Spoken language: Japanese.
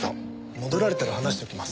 戻られたら話しておきます。